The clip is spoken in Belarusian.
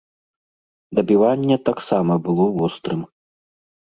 Дабіванне таксама было вострым.